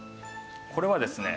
これはですね